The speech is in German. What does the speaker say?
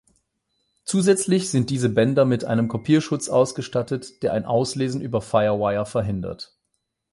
Zusätzlich sind diese Bänder mit einem Kopierschutz ausgestattet, der ein Auslesen über Firewire verhindert.